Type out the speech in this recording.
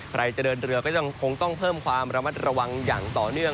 ใครจะเดินเรือก็ยังคงต้องเพิ่มความระมัดระวังอย่างต่อเนื่อง